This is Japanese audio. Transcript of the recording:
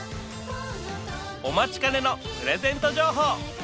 お待ちかねのプレゼント情報